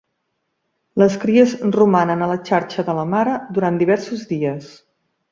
Les cries romanen a la xarxa de la mare durant diversos dies.